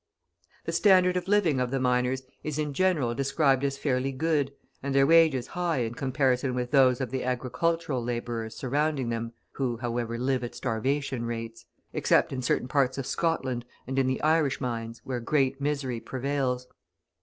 The standard of living of the miners is in general described as fairly good and their wages high in comparison with those of the agricultural labourers surrounding them (who, however, live at starvation rates), except in certain parts of Scotland and in the Irish mines, where great misery prevails.